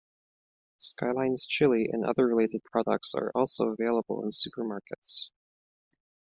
Skyline's chili and other related products are also available in supermarkets.